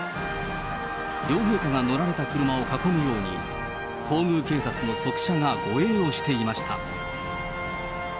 両陛下が乗られた車を囲むように、皇宮警察の側車が護衛をしていました。